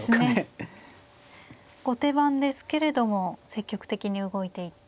後手番ですけれども積極的に動いていって。